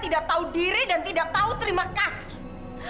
tidak tahu diri dan tidak tahu terima kasih